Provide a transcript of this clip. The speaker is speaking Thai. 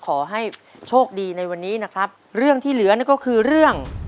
ขอให้โชคดีในวันนี้นะครับเรื่องที่เหลือนั่นก็คือเรื่อง